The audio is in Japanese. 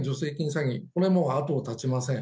詐欺これも後を絶ちません。